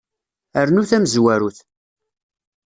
Rnu tamezwarut.